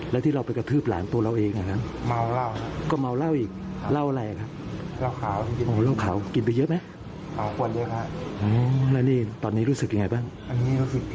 แล้วที่เราไปกระทืบหลานตัวเราเอง